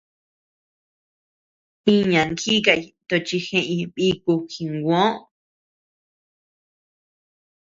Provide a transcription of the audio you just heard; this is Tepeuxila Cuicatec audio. Iñan jíkay tochi jeʼeñ bíku jinguö.